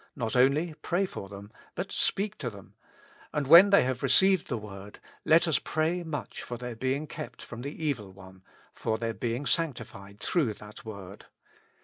Not only pray for them, but speak to them. And when they have received the word, let us pray much for their being kept fi om the evil one, for their being sanctified through that word.